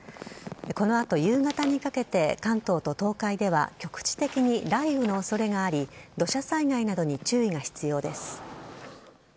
この後、夕方にかけて関東と東海では局地的に雷雨の恐れがあり土砂災害などに注意が必要です。